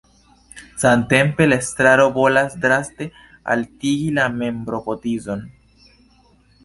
Samtempe la estraro volas draste altigi la membrokotizon.